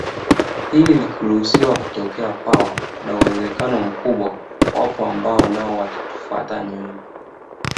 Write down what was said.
Hili likiruhusiwa kutokea kwao kuna uwezekano mkubwa wapo ambao nao watatufuata nyuma